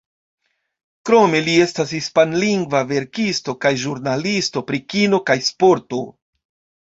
Krome, li estas hispanlingva verkisto, kaj ĵurnalisto pri kino kaj sporto.